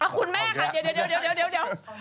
อ้าวคุณแม่คะเดี๋ยว